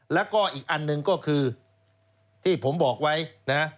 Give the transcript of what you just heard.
แล้วก็อีกอันหนึ่งก็คือที่ผมบอกไว้นะ